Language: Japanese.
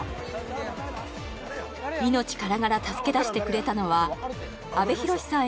命からがら助け出してくれたのは阿部寛さん